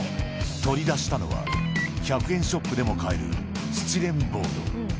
取り出したのは、１００円ショップでも買えるスチレンボード。